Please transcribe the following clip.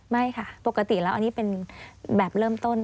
ไม่ค่ะปกติแล้วอันนี้เป็นแบบเริ่มต้น